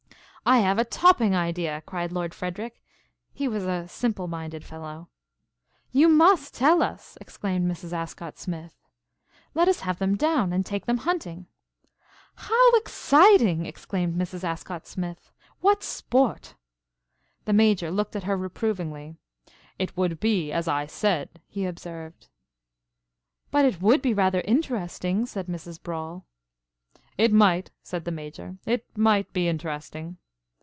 "I have a topping idea!" cried Lord Frederic. He was a simple minded fellow. "You must tell us," exclaimed Mrs. Ascott Smith. "Let us have them down, and take them hunting!" "How exciting!" exclaimed Mrs. Ascott Smith. "What sport!" The Major looked at her reprovingly. "It would be as I said," he observed. "But it would be rather interesting," said Mrs. Brawle. "It might," said the Major, "it might be interesting."